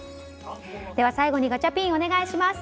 では最後にガチャピンお願いします。